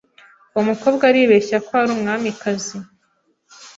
Uwo mukobwa aribeshya ko ari umwamikazi.